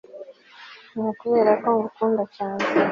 ni ukubera ko ngukunda cyane